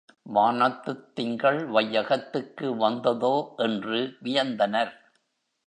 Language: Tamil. வானத்துத் திங்கள் வையகத்துக்கு வந்ததோ என்று வியந்தனர்.